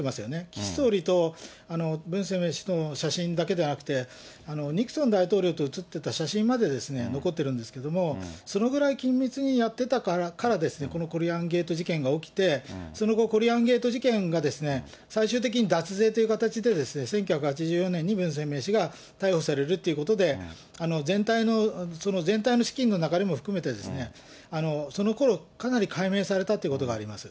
岸総理と文鮮明氏と写真だけではなくて、ニクソン大統領と写ってた写真まで残ってるんですけども、そのぐらい緊密にやってたから、このコリアンゲート事件が起きて、その後、コリアンゲート事件が、最終的に脱税という形で、１９８４年に文鮮明氏が逮捕されるということで、全体の、その全体の資金の流れも含めて、そのころ、かなり解明されたということがあります。